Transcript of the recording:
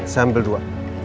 saya ambil dua